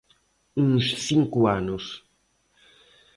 Uns cinco anos.